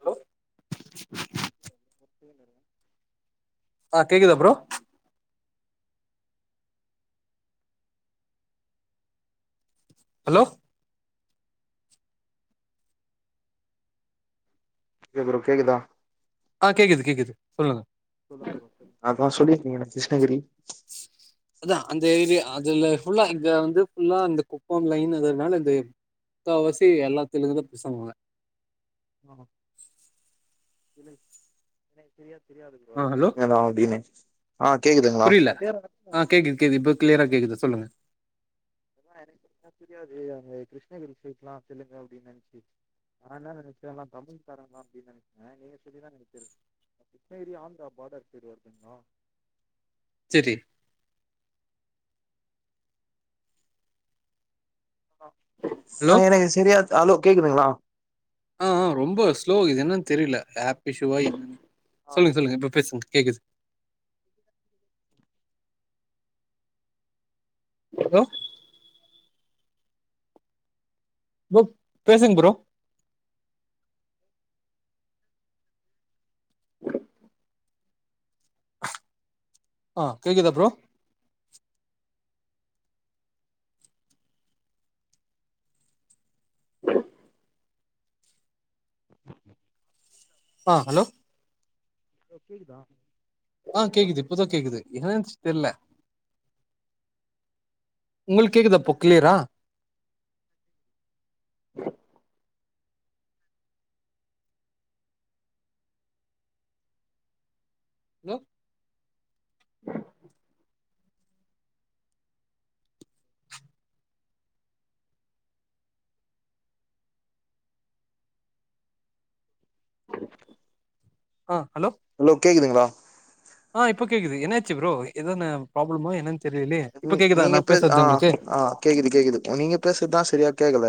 Hello ஒத்தேனன ஆ கேக்குதா ப்ரோ ஹலோ ஓகே ப்ரோ கேக்குதா ஆ கேக்குது கேக்குது சொல்லுங்க அதா சொல்லிருக்கீங்க நா கிருஷ்ணகிரி அதா அந்த ஏரியா அதுல ஃபுல்லா இங்க வந்து ஃபுல்லா அந்த குப்ப லைன் அதனால இது முக்கா வாசி எல்லாத்துலருந்து பசங்குவாங்க ஆ இல்ல ஆ ஹலோ தெரிங்க தா அப்டின்னு ஆ கேக்குதுங்ளா புரியல ஆ கேக்குது கேக்குது ப கிளியரா கேக்குது சொல்லுங்க எனக்கு தெரியாது அங்க கிருஷ்ணகிரி சேக்கலா செல்லுங்க அப்டின் நெனச்சு நா என்ன நெனச்ச எல்லா தமிழ் காரங்கலா அப்டின் நெனைச்ச நீங்க சொல்லிதா எனக்கு தெரிது கிருஷ்ணகிரி ஆந்திரா பார்டர் சைடு வருதுங்ளா செரி ஹலோ ஆ எனக்கு செரியா ஹலோ கேக்குதுங்களா ஆ ஆ ரொம்ப ஸ்லோ இது என்னன் தெரியல ஆப் இஷூவா என்னன் சொல்லுங்க ஹலோ சொல்லுங்க இப்ப பேசுங்க கேக்குது ஹலோ ப்ரோ பேசுங்க ப்ரோ ஆ கேக்குதா ப்ரோ ஆ ஹலோ ப்ரோ கேக்குதா ஆ கேக்குது இப்பதா கேக்குது என்னாச்சு தெர்ல்ல உங்களுக்கு கேக்குதாப்போ கிளியரா ஹீ ஹலோ ஆ ஹலோ ஹலோ கேக்குதுங்களா ஆ இப்ப கேக்குது என்னாச்சு ப்ரோ எதானு ப்ராப்ளமா என்னன்னு தெரியலயே இப்ப நீ கேக்குதா நீங்க நா பேச ஆ பேசுறது உங்களுக்கு ஆ கேக்குது கேக்குது நீங்க பேசுறதுதா செரியா கேக்கல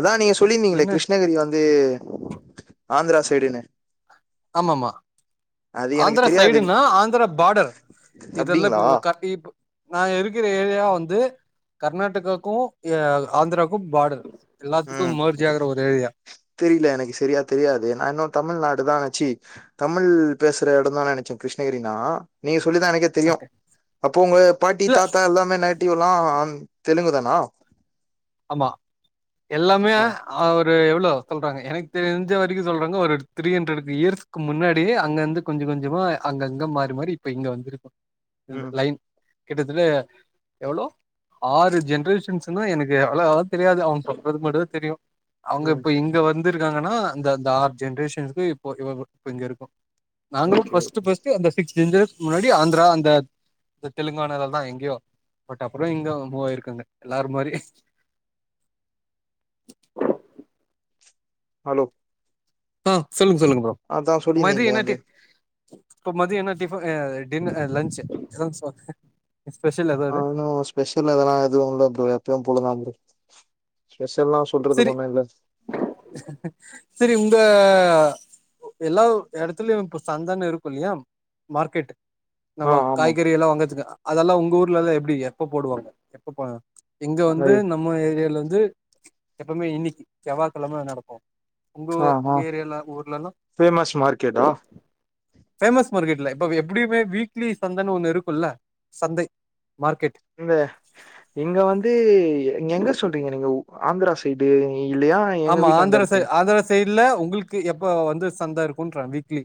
அதா நீங்க சொல்லிருந்தீங்களே என்ன கிருஷ்ணகிரி வந்து ஆந்திரா சைடுன்னு ஆமா மா அது எனக்கு ஆந்திர தெரியாது சைடுனா ஆந்திர பார்டர் இதெல்லா அப்படிங்களா க தீ ப் நா இருக்கிற ஏரியா வந்து கர்நாடகாக்கு ஆந்திராக்கு பார்டர் ம் எல்லாத்துக்கும் மேர்ஜ் ஆகுற ஒரு ஏரியா தெரியல எனக்கு சரியா தெரியாது நா இன்னு தமிழ்நாடு தா ஆச்சி தமிழ் பேசுற எடந்தானு நினைச்சோ கிருஷ்ணகிரினா நீங்க சொல்லிதா எனக்கே தெரியு ஓகே அப்போ உங்க பாட்டி இல்ல தாத்தா எல்லாமே நேட்டிவ்லா தெலுங்கு தானா ஆமா எல்லாமே ஆ ஒரு எவ்வளோ சொல்றாங்க எனக்கு தெரிஞ்ச வரைக்கும் சொல்றாங்க ஒரு த்ரீ ஹண்ட்ரட் இயர்ஸ்கு முன்னாடி அங்க வந்து கொஞ்ச கொஞ்சமா அங்கங்க மாறி மாறி இப்ப இங்க வந்துருப்பா இந்த ம் லைன் கிட்டத்தட்ட எவ்ளோ ஆறு ஜென்ரேஷன்ஸ்னா எனக்கு எவ்வளோ ஆவு தெரியாது அவங்க சொல்றது மட்டுதா தெரியு அவங்க ம் இப்ப இங் இங்க வந்திருக்காங்கன்னா இந்த அந்த ஆறு ஜென்ரேஷன்க்கு இப்ப இவ இப்ப இங்க இருக்கும் நாங்களு ஓகே பஸ்டு ஓகே பஸ்டு அந்த சிக்ஸ் ஜென்ரே முன்னாடி ஆந்திரா அந்த இந்த தெலுங்கானா இதலா எங்கயோ பட் அப்புற இங்க மூவாயிருக்காங்க எல்லாரு மாரி ஹலோ ஆ சொல்லுங்க சொல்லுங்க ப்ரோ அதான் மதிய சொல்லியிருந்தீங்களே என்ன அந்த டி இப்ப மதிய என்ன டிஃபன் டின் இல்ல லஞ்ச் ஸ்பெஷல் ஆ, எதாவது இன்னும் ஸ்பெஷல் எதுலா எதுவு இல்ல ப்ரோ எப்பயு போல தா ப்ரோ ஸ்பெஷல்லா சொல்றதுக்கு சரி ஒன்னு இல்ல. சரி உங்க எல்லா எடத்துலயு இப்ப சந்தனு இருக்கு இல்லையா மார்கெட் ஆ நம்ம ஆமாம் காய்கறி எல்லா வாங்கதுக்கு அதெல்லா உங்க ஊர்லல்லா எப்டி எப்ப போடுவாங்க எப்ப போ இங்க வந்து அது நம்ம ஏரியால வந்து எப்பவுமே இன்னைக்கு செவ்வா கெழம நடக்கு உங்க ஆ ஆ உங்க ஏரியால ஊர்லல்லா ஃபேமஸ் மார்க்கெட்டா பேமஸ் மார்க்கெட்ல இப்ப எப்படியுமே வீக்லி சந்தன்னு ஒன்னு இருக்குல்ல சந்தை மார்கெட் இந்த இங்க வந்து எங்க சொல்றீங்க நீங்க ஆந்திரா சைடு இல்லையா எங்க ஆமா வீட்டாண்ட ஆந்திரா சை இருக்கு ஆந்திர சைட்ல உங்களுக்கு எப்ப வந்து சந்த இருக்குன்றே வீக்லி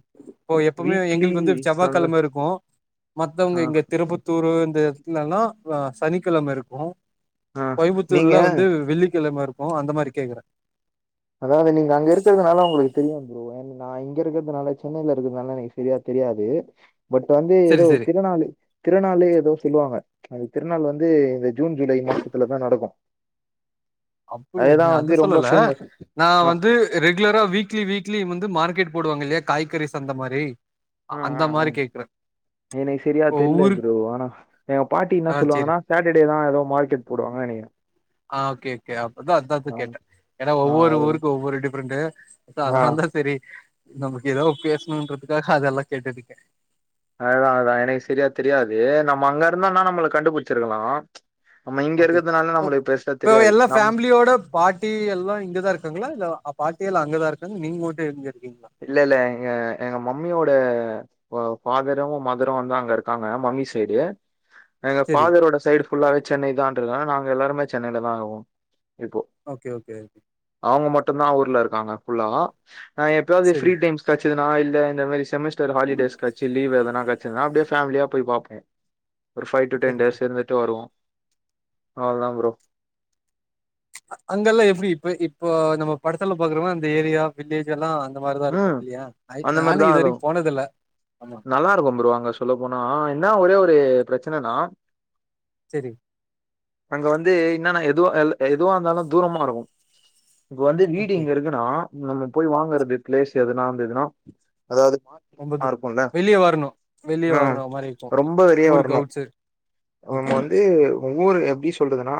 ஓ எப்பவுமே வீக்லி எங்களுக்கு வந்து சம்ம செவ்வாகெழம இருக்கும் ஆ மத்தவங்க இங்க திருப் பத்பூரு இந்த இடத்துலல்லா சனிக்கெழம இருக்கு ஆ நீங்க கோயம்புத்தூர்ல வந்து வெள்ளிக்கிழம இருக்கும் அந்த மாரி கேக்கறே அதாவது நீங்க அங்க இருக்கறதுனால உங்களுக்கு தெரியும் ப்ரோ நா இங்க இருக்கிறதுனால சென்னய்ல இருக்கிறதுனால எனக்கு சரியா தெரியாது பட் வந்து சரி ஏதோ சரி திருநாளு திருநாளு எதோ சொல்லுவாங்க அந்த திருநாள் வந்து இந்த ஜூன் ஜூலை மாசத்துலதா நடக்கும் அப்படியா அதேதா நீ அது வந்து ரொம்ப சொல்லல ஃபேமஸ் நா ஆ வந்து ரெகுலரா வீக்லி வீக்லி வந்து மார்க்கெட் போடுவாங்க இல்லையா காய்கறி சந்த மாரி ஆ ஆ ஆ மாறி கேக்றே எனக்கு சரியா தெர்ல ப்ரோ ஆனா எங்க பாட்டி இன்னா ஆ சேரி சொல்லுவாங்கன்னா சாட்டர்டே தா ஏதோ மார்கெட் போடுவாங்க நெனக்கிறே ஆ ஓகே கே அதா அதுனால தா கேட்டே ஏன்னா ஆ ஒவ்வொரு ஊருக்கு ஒவ்வொரு டிஃப்ரெண்ட் ஆ ஆ அதனால தா சரி நமக்கு ஏதோ பேசணுன்றதுக்காக அதெல்லா கேட்டுருக்கே அதுதா அதா எனக்கு சரியா தெரியாது நம்ம அங்க இருந்தோனா நம்மள கண்டு புச்சிருக்கலா [unintelligible] ஓ கோ தெரியாது எல்லா நம் ஃபேமிலியோட பா ட்டி எல்லா இங்கதா இருக்காங்களா இல்ல அ பாட்டி எல்லா அங்கதா இருக்காங்க நீங்க மட்டும் இங்க இருக்கீங்களா இல்ல இல்ல எங்க எங்க மம்மியோட ஃபாதரும் மதரும் வந்து அங்க இருக்காங்க மம்மி சைடு எங்க செரி ஃபாதரோட சைடு ஃபுல்லாவே சென்னை தான்றதுனால நாங்க எல்லாருமே சென்னய்ல தா இருக்கோ இப்போ ஓகே ஓகே ஓகே அவுங்க மட்டுந்தா ஊர்ல இருக்காங்க ஃபுல்லா நா எப்பயாவ்து ஃப்ரீ செரி டைம்ஸ் கெட்ச்சதுன்னா இல்ல இந்த மாரி செமஸ்டர் ஹாலிடேஸ் கெட்ச்சி லீவ் எதனா கெட்ச்சிதுனா அப்டே ஃபேமிலியா போய் பாப்போ ஒரு ஃபைவ் டூ டென் செரி செரி டேஸ் இருந்துட்டு வருவோ அவ்ள் தா ப்ரோ அ அங்கெல்லா எப்டி இப்ப இப்போ நம்ம படத்துல பாக்கறமே அந்த ஏரியா வில்லேஜ் எல்லா அந்த மாரிதா ம் இருக்கு இல்லியா ஐ நானு இது வரைக் போனதில்ல ஆமா நல்லார்க்கு ப்ரோ அங்க சொல்ல போனா என்ன ஒரே ஒரு பிரச்சனனா செரி அங்க வந்து இன்னனா எதுவா எல்லு எதுவா இர்ந்தாலு தூரமா இருக்கு இப்ப வந்து வீடு ஓகே இங்க இருக்குன்னா நம்ம போய் வாங்கறது ப்ளேஸ் எதுனா இர்ந்துதுன்னா அதாவ்து மார் ரொம்ப ஆ தூ ருக்குல்ல வெளிய வரணு வெளிய ம் வரணு மாரி இருக்கு ரொம்ப வெளிய ஊருக்கு வர்ணு அவுட் சைட் நம்ம ஓகே வந்து உ ஊரு எப்டி சொல்றதுனா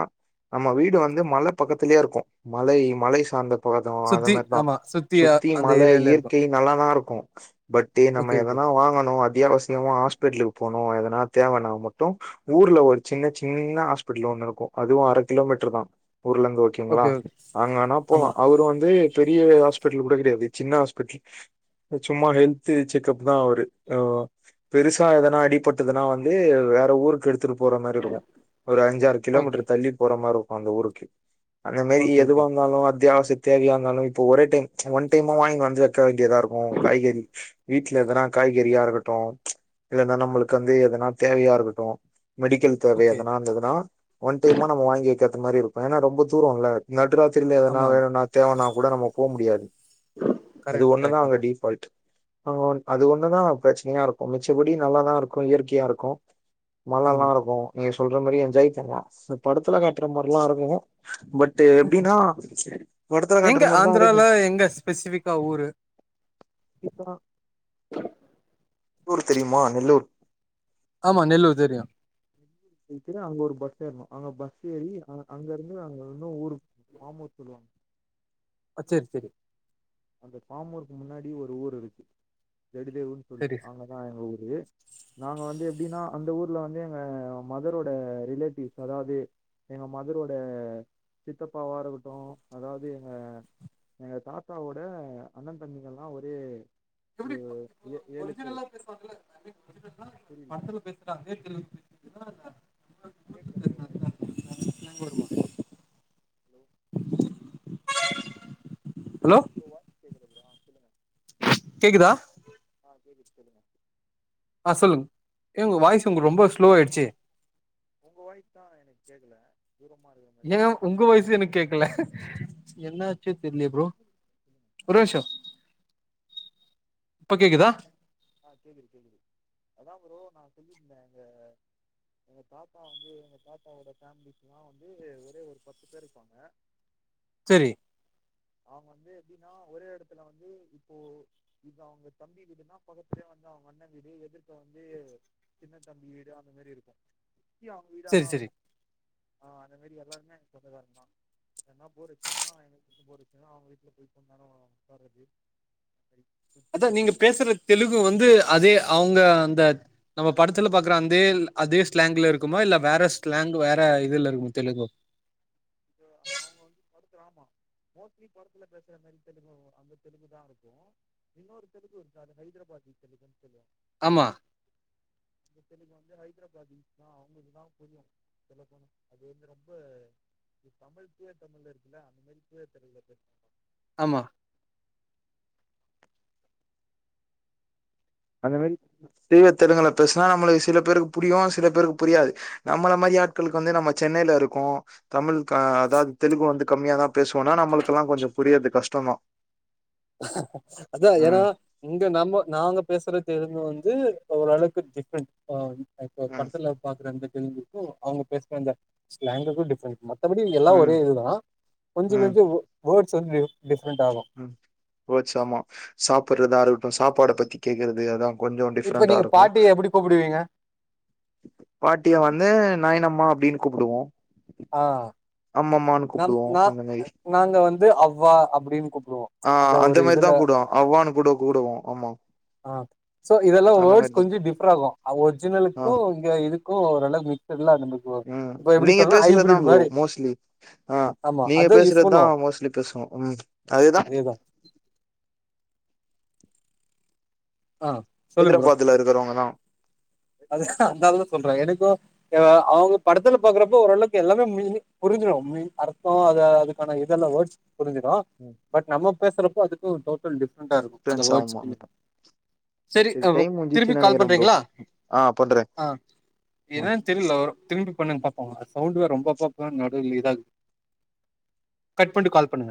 நம்ம வீடு வந்து மல பக்கத்துலயே இருக்கு மலை மலை சார்ந்த போது அந்த சுத்தி மார் தா ஆமா சுத்தி அ சுத் தி அந்த மல ஏரியால இருக்கு இயற்கை நல்லாதாருக்கு பட்டு நம்ம ஓகே ஓகே எதனா வாங்கணு அத்தியாவசியமா ஹாஸ்பிட்லுக் போணு எதனா தேவன்னா மட்டு ஊர்ல ஒரு சின்ன சின்ன ஹாஸ்பிட்லு ஒன்னுருக்கு அதுவு அர கிலோமீட்ரு தா ஊர்லங்க ஓ கேங்ளா ஓகே ஓகே அங்கனா போலா ஆமா அவரு வந்து பெரிய ஹாஸ்பிட்லு கூட கெடையாது சின்ன ஹாஸ்பிட்டல் சும்மா ஹெல்த்து செக்கப் தா அவரு ஆ பெருசா எதனா அடிபட்டதுனா வந்து வேற ஊருக்கு எடுத்துட்டு போற மாரி இருக்கு ஒரு அஞ்சாறு ஓகே கிலோமீட்ரு தள்ளி போற மார்ருக்கு அந்த ஊருக்கு அந்த மாரி ஓகே எதுவா ஓகே இர்ந்தாலு அத்தியாவசிய தேவையா இர்ந்தாலு இப்ப ஒரே டைம் ஒன் டைமா வாய்ங் வந்து வெக்க வேண்டியதா இருக்கு காய்கறி வீட்ல எதனா காய்கறியா இருக்கட்டு இல்லன்னா நம்மளுக் வந்து எதனா தேவையா இருக்கட்டு மெடிக்கல் தேவை ஓகே எதனா இர்ந்துதுனா ஒன் டைமா நம்ம வாங்கி வெக்கற்த்து மாரி இருக்கு ஏனா ரொம்ப தூரோ இல்ல நடுராத்திரில எதனா ஆமா வேணுனா தேவைனா கூட நம்ம போ முடியாது ஹ அது ஒன்னு தா அங்க டிஃபால்ட் ஆ அது ஒன்னு தா பிரச்சனையா இருக்கு மிச்சப்படி நல்லாதா இருக்கு இயற்கையா இருக்கு மலல்லா ஆமா இருக்கு நீங்க சொல்ற மாரி என்ஜாய் பண்லா சோ படத்துல காட்ற மாரிலா இருக்கு பட் டு எப்டினா படத்துல காட்ற எங்க மாரிதா வரைக்கு ஆந்திரால எங்க ஸ்பெசிஃபிக்கா ஊரு ல்லூர் தெரியுமா நெல்லூர் ஆமா நெல்லூர் தெரியு [inaudible] அங்கொரு பஸ் ஏற்ணு அங்க பஸ் ஏறி ஆனா அங்கர்ந்து அங்க இன்னு ஊரு பாமூர் சொல்லுவாங் அ சேரி சேரி அந்த பாமூருக்கு முன்னாடி ஒரு ஊர் இருக்கு ஜெடிதேயூர்ன் சரி சொல்ட்டு அங்கதா எங்க ஊரு நாங்க வந்து எப்டினா அந்த ஊர்ல வந்து எங்க மதரோட ரிலேட்டிவ்ஸ் அதாவ்து எங்க மதரோட சித்தப்பாவா இருக்கட்டு அதாவ்து எங்க எங்க தாத் தாவோட அண்ண தம்பிகல்லா ஒரே எப்டி ஒரு இப்போ ஏ ஏழு பேரு ஒரிஜினலா பேசுவாங்கல்ல புரியில காதே [inaudible] எதனால கேக்குதா ப்ரோ வாய்ஸு ஸ்லாங் வருமா? ஹலோ ஹலோ [inaudible] கேக்குதா அ கேக்குது சொல்லுங்க அ சொல்லுங்க ஏ ஒங்க வாய்ஸ் ஆ ஒங்க ரொம்ப ஸ்லோ ஆயிடுச்சு உங்க வாய்ஸ்தா எனக்கு கேக்கல தூரமா இருக்க ஏங்க உங்க வாய்சு எனக்கு கேக்கல என்ன ஆச்சு தெரியலயே ப்ரோ சொல்லுங்க. ஒருநிமிஷ இப்ப கேக்குதா [unintelligible] எங்க பாப்பா வந்து எங்க பாப்பாவோட ஃபேமிலிக்குல்லா வந்து ஒரே ஒரு பத்து பேர் இருக்காங்க சரி அவங்க வந்து எப்டின்னா ஒரே எடத்துல வந்து இப்போ இது அவங்க தம்பி வீடுன்னா பக்கத்துலயே வந்து அவங்க அண்ணே வீடு எதுக்க வந்து சின்னத்தம்பி வீடு அந்த மாரி இருக்கு சுத்தி அவங்க செரி வீடாதா செரி இருக்கு [unintelligible] [unintelligible] மொத நீங்க பேசுற தெலுங்கு வந்து அதே அவங்க அந்த நம்ம படத்துல பாக்குற அதே அதே ஸ்லாங்க்ல இருக்குமா இல்ல வேற ஸ்லாங் வேற இதுல இருக்குமா தெலுங்கு அவங்க வந்து [unintelligible] மோஸ்ட்லி படத்துல பேசுற மாரி தெலுங்கு அந்த தெலுங்குதா இருக்கு இன்னொரு தெலுங்கு இருக்கு அது ஹைதராபாத் தெலுங்குன்னு சொல்லுவே ஆமா சரிங்க வந்து ஹைதராபாத் தா அவங்களுக்குதா புரியும் அது வந்து ரொம்ப இப்ப தமிழ் தூய தமிழ் இருக்குல்ல அந்த மாரி தூய தழல பேசுவாங்க ஆமா அந்த மாரி தூய தெலுங்குல பேசுனா நம்மளுக்கு செல பேருக்கு புரியு செல பேருக்கு புரியாது நம்மள மாரி ஆட்களுக்கு வந்து நம்ம சென்னையில இருக்கோ தமிழ் அதாவது தெலுங்கு வந்து கம்மியாதா பேசுவோம்னா நம்மளுக்குல்லா கொஞ்சோ புரியது கஷ்டதா அதா ஏன்னா இங்க நம்ம நாங்க பேசுற தெரிந்து வந்து ஓரளவுக்கு டிஃப்ரெண்ட்டா இப்போ ம் படத்துல பாக்குற அந்த தெலுங்குக்கு அவங்க பேசுற அந்த ஸ்லாங்குக்கு டிஃப்ரெண்ட் ம மத்தபடி எல்லாம் ஒரே ம் இது தான் கொஞ்சோ ம் கொஞ்சோ வேட்ஸ் வந்து டிஃப்ரெண்ட் ஆகும் ம் ஓட்ஸ் ஆமா சாப்டுறத இருக்கட்டு சாப்பாட பத்தி கேக்குறது அதா கொஞ்சோ இப்ப டிஃப்ரெண்டா நீங்க இருக்கு பாட்டி எப்டி கூப்பிடுவீங்க பாட்டிய வந்து நையனம்மா அப்டின்னு கூப்பிடுவோம் அ அம்மம்மான்னு கூப்பிடுவோம் அந்த மாரி நாங்க வந்து அவ்வா அப்டின்னு கூப்பிடுவோ அ அந்த ஒரு மாரி இதுல தான் கூப்டுவோம் அவ்வான்னு கூட கூடுவோ ஆமா அ சோ இதெல்லா அந்த வேட்ஸ் மாரிதா கொஞ்சோ டிஃபரெண்ட் ஆகும் ஆ ஒரிஜினலுக்கும் இதுக்கும் ஒரு [unintelligible] ம் நீங்க பேசுனதுதா ப்ரோ மோஸ்ட்லி அ ஆமா நீங்க அதா யூஸ் பேசுறது பண்ணுவோ தான் மோஸ்ட்லி பேசுவோம் ம் அதுதான் அதேதா ஆ சொல்லுங்க ப்ரோ ஹைதராபாத்ல இருக்குறவங்க தான் அது அந் ஆள்தா சொல்றா எனக்கோ ஆ அவ்ங்க படத்துல பாக்குறப்ப ஓரளவுக்கு எல்லாமே மீனிங் புருஞ்சுரு மீன் அர்த்தோ அத அதுக்கான இதெல்லா வோர்ட்ஸ் புருஞ்சுரு ம் பட் நம்ம பேசறப்போ அதுக்கு ஒரு டவ்ட் கள் டிஃப்ரெண்டா ருக்கு அந்த டிஃப்ரென்ஸ் வேட்ஸ் ஆமா ஃபுல்லு சரி ப்ரோ டைம் திருப்பி முடிஞ்சிச்சுன்னு கால் நெனைக்கிறே ப்ரோ பண்றீங்களா ஆ பண்றே ஆ என்னான்னு தெர்லோர் திரும்பி பண்ணுங்க பாப்போ சவுண்டு வேற ரொம்ப பக்கன் லிதல் கட் பண்ணி கால் பண்ணுங்க